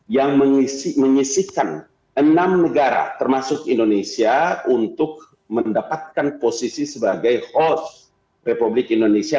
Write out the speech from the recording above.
yang menyisikan enam negara termasuk indonesia untuk mendapatkan posisi sebagai host republik indonesia